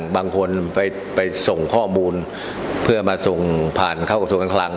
บางคนไปไปส่งข้อมูลเพื่อมาส่งผ่านเข้ากับส่วนกำลัง